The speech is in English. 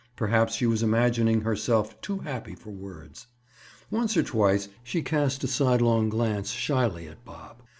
Perhaps she was imagining herself too happy for words. Once or twice she cast a sidelong glance shyly at Bob.